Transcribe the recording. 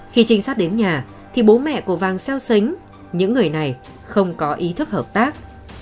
khi trinh sát đến nhà thì bố mẹ của vàng xeo xánh những người này không có ý thức hợp tác